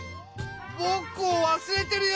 ぼくをわすれてるよ！